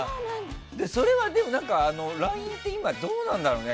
それはＬＩＮＥって今どうなんだろうね